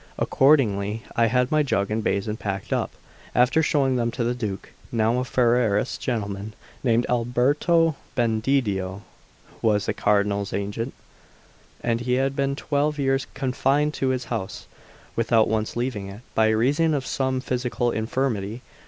Accordingly, I had my jug and basin packed up, after showing them to the Duke. Now a Ferrarese gentleman named Alberto Bendedio was the Cardinal's agent, and he had been twelve years confined to his house, without once leaving it, by reason of some physical infirmity.